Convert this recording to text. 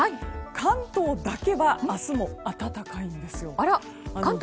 関東だけは明日も暖かいんですよ。